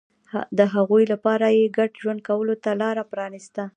د هغوی لپاره یې ګډ ژوند کولو ته لار پرانېسته